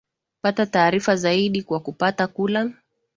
pata taarifa zaidi kwa kupata kula